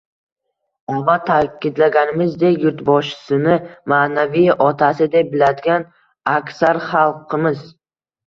Avval ta’kidlaganimizdek, yurtboshisini ma’naviy otasi deb biladigan aksar xalqimiz